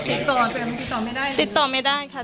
ติดต่อแต่มันติดต่อไม่ได้เลย